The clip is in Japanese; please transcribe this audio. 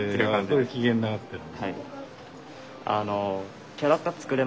これ機嫌直ってる。